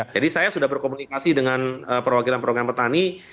jadi saya sudah berkomunikasi dengan perwakilan perwakilan petani